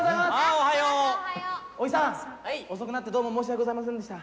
おじさん遅くなってどうも申し訳ございませんでした。